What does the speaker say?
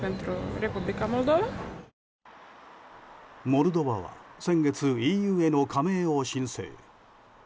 モルドバは先月ＥＵへの加盟を申請。